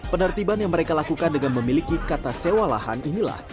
penertiban yang mereka lakukan dengan memiliki kata sewa lahan inilah